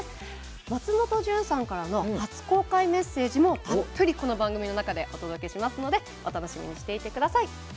松本さんからの初公開メッセージもたっぷりこの番組の中でお届けしますので楽しみにしていてください。